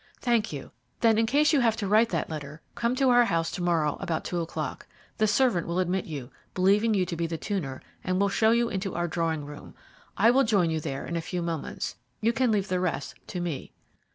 "Thank you. Then, in case you have to write that letter, come to our house to morrow about two o'clock. The servant will admit you, believing you to be the tuner, and will show you into our drawing room I will join you there in a few moments. You can leave the rest to me."